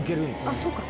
あっそうか。